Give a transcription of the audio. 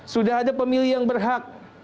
sudah ada pemilih yang berhak